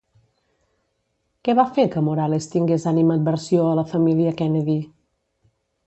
Què va fer que Morales tingués animadversió a la família Kennedy?